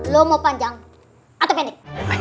lo mau panjang atau pendek